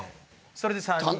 それで３人。